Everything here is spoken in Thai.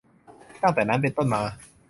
ตั้งแต่นั้นเป็นต้นมา